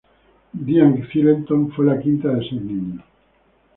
Diane Cilento fue la quinta de seis niños.